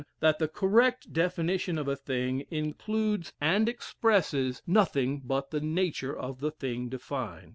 That the correct definition of a thing includes and expresses nothing but the nature of the thing defined.